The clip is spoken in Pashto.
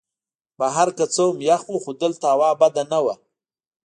بهر که څه هم یخ وو خو دلته هوا بده نه وه.